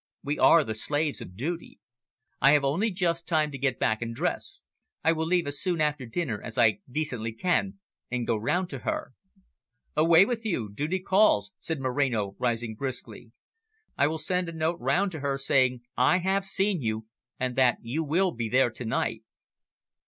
We are the slaves of duty. I have only just time to get back and dress. I will leave as soon after dinner as I decently can, and go round to her." "Away with you, duty calls," said Moreno, rising briskly. "I will send a note round to her saying I have seen you, and that you will be there to night."